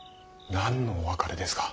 何のお別れですか。